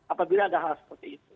apabila ada hal seperti itu